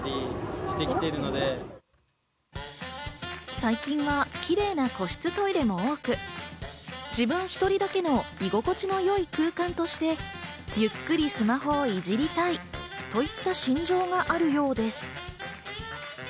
最近はキレイな個室トイレも多く、自分１人だけの居心地の良い空間として、ゆっくりスマホをいじりたいといった心情があるようです。